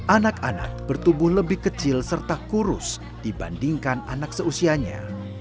anak anak bertubuh lebih kecil serta kurus dibandingkan anak seusianya